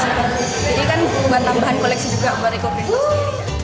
jadi ini kan bukan tambahan koleksi juga buat rekomendasi